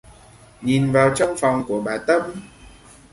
Nhìn vào trong phòng của bà tâm